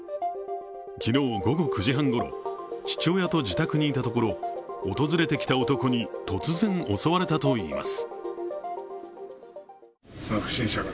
昨日午後９時半ごろ、父親と自宅にいたところ訪れてきた男に突然襲われたといいます。